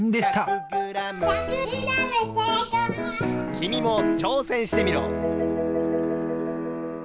きみもちょうせんしてみろ！